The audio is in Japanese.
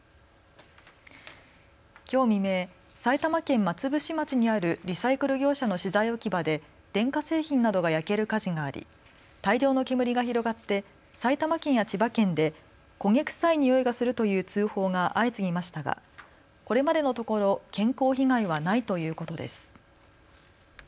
きょう未明、埼玉県松伏町にあるリサイクル業者の資材置き場で電化製品などが焼ける火事があり大量の煙が広がって埼玉県や千葉県で焦げ臭いにおいがするという通報が相次ぎましたがこれまでのところ健康被害はないということです。